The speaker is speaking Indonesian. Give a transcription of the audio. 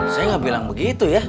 saya nggak bilang begitu ya